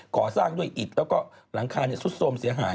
ก่อสร้างด้วยอิดแล้วก็หลังคาซุดโทรมเสียหาย